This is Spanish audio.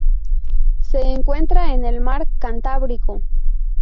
Se encuentra en el mar Cantábrico.